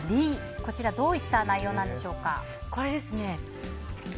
こちらどういった内容でしょうか。